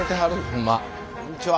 こんにちは。